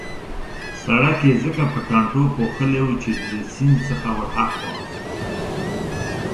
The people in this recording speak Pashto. سړک يې ځکه په ټانټو پوښلی وو چې له سیند څخه ورهاخوا.